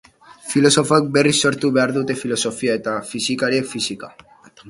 Filosofoek berriz sortu behar dute filosofia, eta fisikariek, fisika.